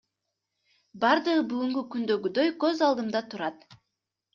Бардыгы бүгүнкү күндөгүдөй көз алдымда турат.